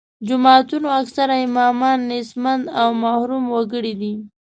جوماتونو اکثره امامان نیستمن او محروم وګړي دي.